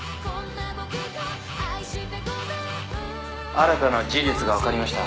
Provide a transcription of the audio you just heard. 新たな事実が分かりました。